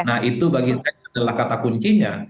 nah itu bagi saya adalah kata kuncinya